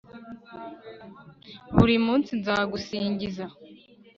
buri munsi nzagusingiza